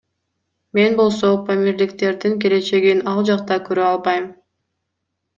Мен болсо, памирликтердин келечегин ал жакта көрө албайм.